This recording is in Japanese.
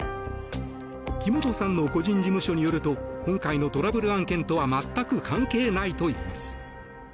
木本さんの個人事務所によると今回のトラブル案件とは全く関係ないといいます。